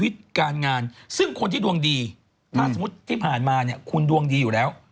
ถ้าสมมติที่ผ่านมาเนี่ยคุณดวงดีอยู่แล้ว